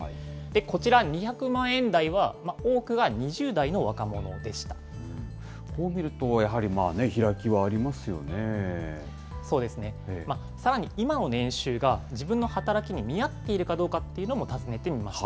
こちら２００万円台は、多くが２こう見ると、そうですね、さらに今の年収が自分の働きに見合っているかっていうのも尋ねてみました。